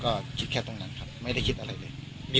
ก็คิดแค่ตรงนั้นครับไม่ได้คิดอะไรเลย